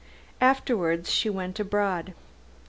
Afterwards she went abroad.